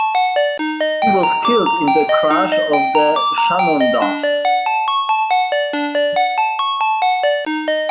He was killed in the crash of the "Shenandoah".